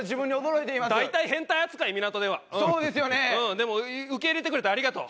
でも受け入れてくれてありがとう。